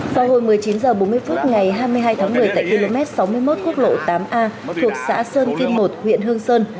vào hồi một mươi chín h bốn mươi phút ngày hai mươi hai tháng một mươi tại km sáu mươi một quốc lộ tám a thuộc xã sơn kim một huyện hương sơn